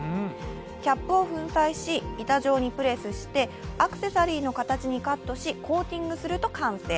キャップを粉砕し、板状にプレスしてアクセサリーの形にカットし、コーティングすると完成。